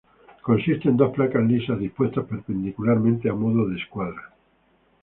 Consiste en dos placas lisas dispuestas perpendicularmente, a modo de escuadra.